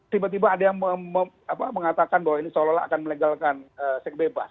tiba tiba ada yang mengatakan bahwa ini seolah olah akan melegalkan seks bebas